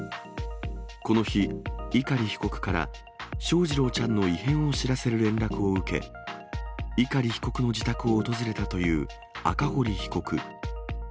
この日、碇被告から翔士郎ちゃんの異変を知らせる連絡を受け、碇被告の自宅を訪れたという赤堀被告。